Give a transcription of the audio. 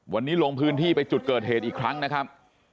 วันนี้ลงพื้นที่ไปจุดเกิดเหตุอีกครั้งนะครับ